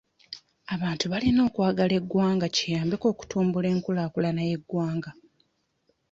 Abantu balina okkwagala eggwanga kiyambeko okutumbula enkulaakulana y'eggwanga.